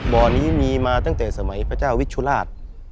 บ่อนี้มีมาตั้งแต่สมัยพระเจ้าวิชุราช